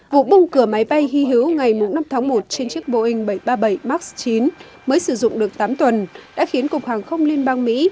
vụ bung cửa máy bay hy hữu ngày năm tháng một trên chiếc boeing bảy trăm ba mươi bảy max chín mới sử dụng được tám tuần đã khiến cục hàng không liên bang mỹ